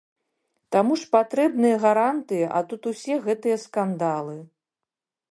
Таму ж патрэбныя гарантыі, а тут усе гэтыя скандалы.